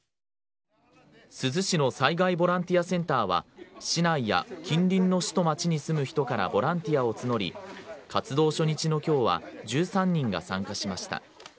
珠洲市の災害ボランティアセンターは市内や近隣の市と町に住む人からボランティアを募り活動初日の今日は１３人が参加しました。